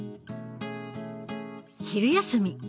昼休み。